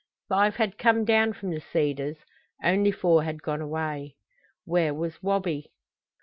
Five had come down from the cedars, only four had gone away! Where was Wabi?